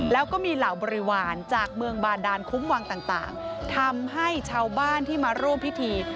แล้วก็มีเหล่าบริวารจากเมืองบาดานคุ้มวังต่างทำให้ชาวบ้านที่มาร่วมพิธี